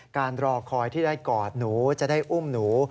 รอคอยที่ได้กอดหนูจะได้อุ้มหนู